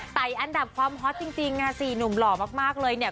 แต่อันดับความฮอตจริงค่ะ๔หนุ่มหล่อมากเลยเนี่ย